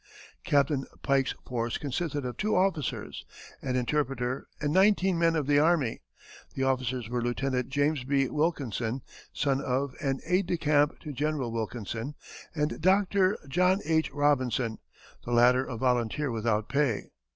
Captain Pike's force consisted of two officers, an interpreter, and nineteen men of the army. The officers were Lieutenant James B. Wilkinson, son of and aide de camp to General Wilkinson, and Doctor John H. Robinson, the latter a volunteer without pay.